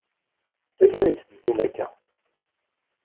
S ani i tettedum akka?